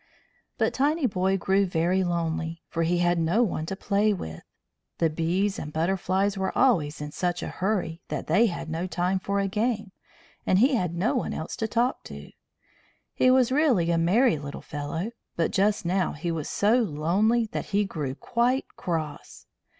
But Tinyboy grew very lonely, for he had no one to play with. The bees and butterflies were always in such a hurry that they had no time for a game, and he had no one else to talk to. He was really a merry little fellow, but just now he was so lonely that he grew quite cross.